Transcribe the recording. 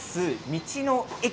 道の駅